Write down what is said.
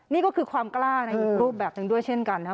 นี่ก็คือความกล้าในอีกรูปแบบหนึ่งด้วยเช่นกันนะครับ